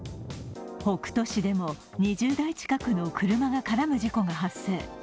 北斗市でも、２０台近くの車が絡む事故が発生。